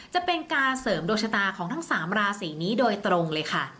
จะเป็นการเสริมดวงชะตาของทั้ง๓ราศีนี้โดยตรงเลยค่ะ